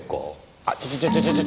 あっちょちょちょちょ。